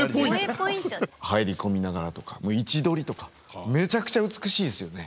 入り込みながらとか位置取りとかめちゃくちゃ美しいですよね。